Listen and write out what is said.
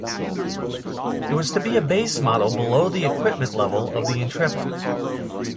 It was to be a base model below the equipment level of the Intrepid.